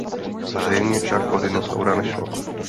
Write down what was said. Zřejmě však o dinosaura nešlo.